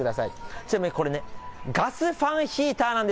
ちなみにこれ、ガスファンヒーターなんです。